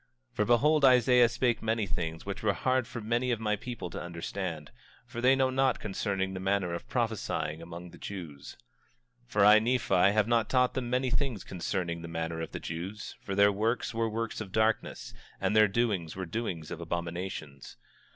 For behold, Isaiah spake many things which were hard for many of my people to understand; for they know not concerning the manner of prophesying among the Jews. 25:2 For I, Nephi, have not taught them many things concerning the manner of the Jews; for their works were works of darkness, and their doings were doings of abominations.